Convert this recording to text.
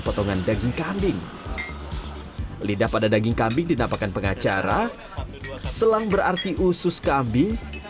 potongan daging kambing lidah pada daging kambing dinapakan pengacara selang berarti usus kambing